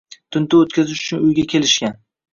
Tintuv o‘tkazish uchun uyga kelishgan.